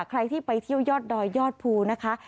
ใครที่ไปเที่ยวยอดดอยยอดภูนะคะ